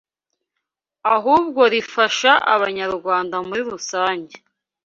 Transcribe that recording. ahubwo rifasha n’Abanyarwanda muri rusange